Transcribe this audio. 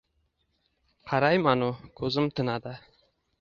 Qarayman-u, ko’zim tinadi